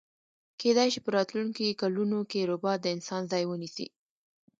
کیدای شی په راتلونکي کلونو کی ربات د انسان ځای ونیسي